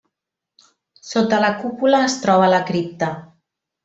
Sota la cúpula es troba la cripta.